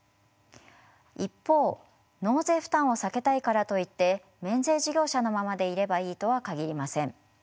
一方納税負担を避けたいからといって免税事業者のままでいればいいとは限りません。